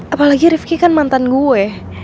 apalagi rifki kan mantan gue